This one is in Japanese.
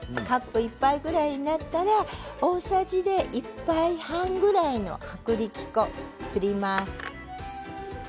カップ１杯ぐらいになったら大さじで１杯半ぐらいの薄力粉、振ります。